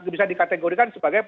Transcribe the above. bisa dikategorikan sebagai